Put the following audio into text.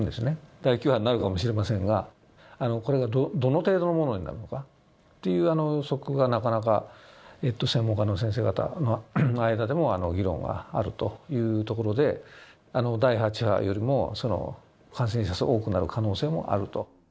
第９波になるかもしれませんが、これがどの程度のものになるのかっていう予測が、なかなか専門家の先生方の間でも議論があるというところで、第８波よりも感染者数が多くなる可能性もあると。